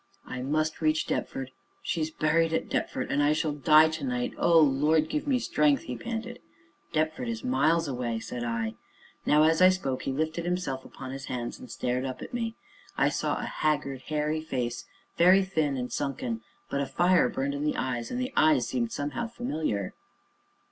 "I must reach Deptford she's buried at Deptford, and I shall die to night O Lord, give me strength!" he panted. "Deptford is miles away," said I. Now, as I spoke, he lifted himself upon his hands and stared up at me. I saw a haggard, hairy face, very thin and sunken, but a fire burned in the eyes, and the eyes seemed, somehow, familiar.